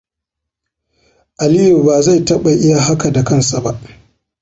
Aliyu bazai taba iya haka da kansa ba.